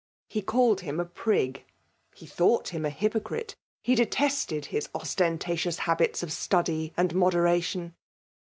He called him a prig> — ^he thought him a hypocrite, — he detested his ostentatious habits of study and moderation.